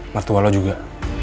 mertua lo juga